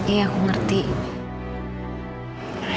iya aku ngerti